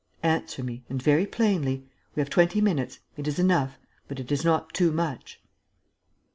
"Answer me and very plainly. We have twenty minutes. It is enough. But it is not too much."